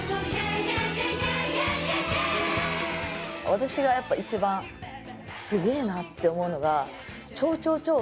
私がやっぱ一番すげえなって思うのが。